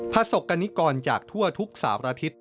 พระศกกรณิกรจากทั่วทุกสามอาทิตย์